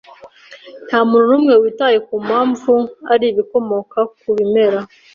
Ntamuntu numwe witaye kumpamvu ari ibikomoka ku bimera.